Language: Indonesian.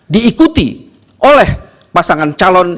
diikuti oleh pasangan calon